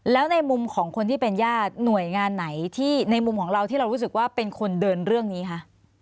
แล้วในมุมของคนที่เป็นญาติหน่วยงานไหนที่ในมุมของเราที่เรารู้สึกว่าเป็นคนเดินเรื่องนี้คะ